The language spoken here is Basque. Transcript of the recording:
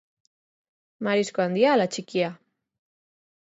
Marisko handia ala txikia?